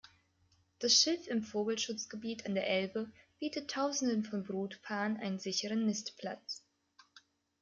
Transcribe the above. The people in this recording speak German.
Das Schilf im Vogelschutzgebiet an der Elbe bietet tausenden von Brutpaaren einen sicheren Nistplatz.